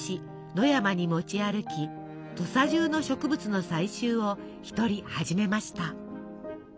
野山に持ち歩き土佐中の植物の採集を一人始めました。